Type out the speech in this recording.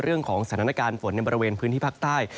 เรื่องของสถานการณ์ฝนในบริเวณพื้นที่ภาคใต้